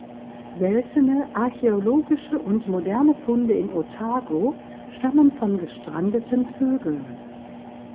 Seltene archäologische und moderne Funde in Otago stammen von gestrandeten Vögeln.